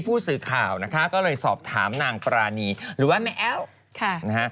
ผู้สื่อข่าวนะคะก็เลยสอบถามนางปรานีหรือว่าแม่แอ้วค่ะนะฮะ